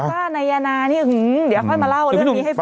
ป้านายนานี่เดี๋ยวค่อยมาเล่าเรื่องนี้ให้ฟัง